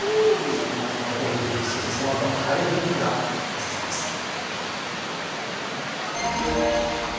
週末までオリンピックそのあとはパラリンピックが開催されます。